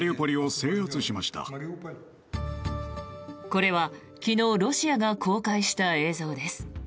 これは昨日、ロシアが公開した映像です。